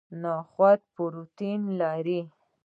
نخود پروتین لري